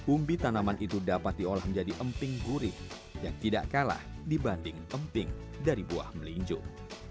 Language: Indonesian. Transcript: umbi tanaman itu dapat diolah menjadi emping gurih yang tidak kalah dibanding emping dari buah melinjuk